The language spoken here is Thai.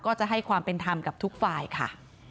ก็จะให้ความเป็นธรรมกับทุกฝ่ายค่ะ